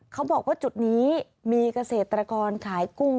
เขาบอกว่าจุดนี้มีเกษตรกรขายกุ้ง